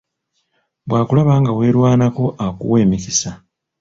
Bwakulaba nga weerwanako akuwa emikisa.